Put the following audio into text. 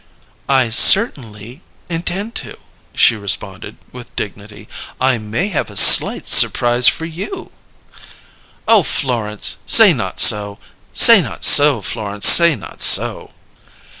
"I cert'nly intend to," she responded with dignity. "I may have a slight supprise for you." "Oh, Florence, say not so! Say not so, Florence! Say not so!"